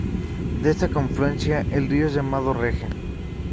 De esta confluencia, el río es llamado Regen.